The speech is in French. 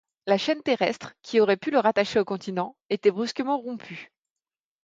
La chaîne terrestre, qui aurait pu le rattacher au continent, était brusquement rompue!